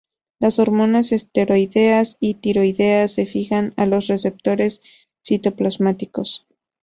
Las hormonas esteroideas y tiroideas se fijan a los receptores citoplasmáticos.